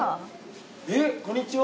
えっこんにちは。